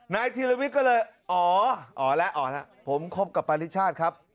น้ายธีรวิชก็เลยอ๋ออ่อแล้วเอาล่ะผมคบกับเปาริชาศครับ